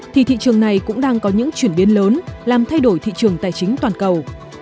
thì thị trường này cũng đang có những chuyển biến lớn làm thay đổi thị trường tài chính toàn cầu